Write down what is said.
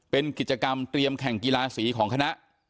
เป็นกิจกรรมเตรียมแข่งกีฬาสีของคณะ